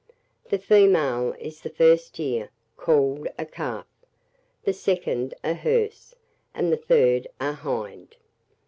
The female is, the first year, called a calf; the second, a hearse; and the third, a hind.